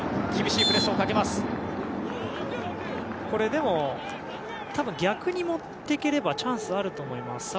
これ、でも逆に持っていければチャンスはあると思います。